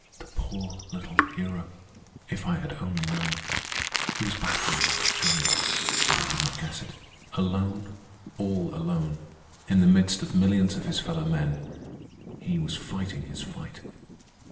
The poor little hero! If I had only known! He was battling like a giant, and I did not guess it. Alone, all alone, in the midst of millions of his fellow men, he was fighting his fight.